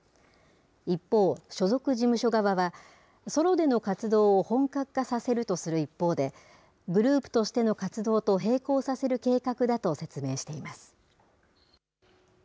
一方、所属事務所側は、ソロでの活動を本格化させるとする一方で、グループとしての活動と並行させる計画だと説明しています。